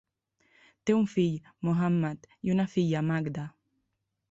Té un fill, Mohammad, i una filla, Magda.